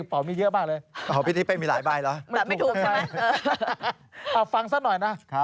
กระเป๋ามีเยอะมากเลย